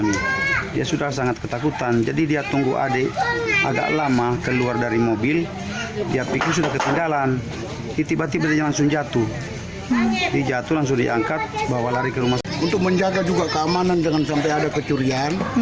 menjaga juga keamanan dengan sampai ada kecurian